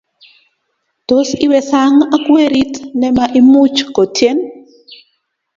tos iwe sang ak werit nema imuch kotien